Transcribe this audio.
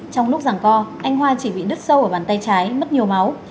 trong lúc giảng co anh hoa chỉ bị đứt sâu ở bàn tay trái mất nhiều máu